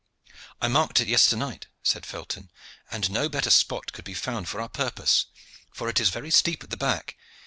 "I marked it yester night," said Felton, "and no better spot could be found for our purpose, for it is very steep at the back.